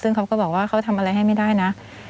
ซึ่งเขาก็บอกว่าเขาทำอะไรให้ไม่ได้นะ